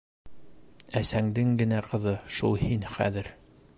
- Әсәңдең генә ҡыҙы шул һин хәҙер...